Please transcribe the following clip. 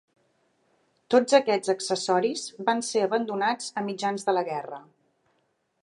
Tots aquests accessoris van ser abandonats a mitjans de la guerra.